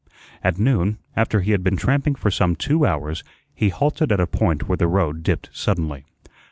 At noon, after he had been tramping for some two hours, he halted at a point where the road dipped suddenly.